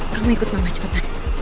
kamu ikut mama cepetan